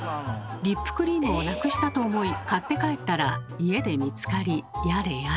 リップクリームをなくしたと思い買って帰ったら家で見つかりやれやれ。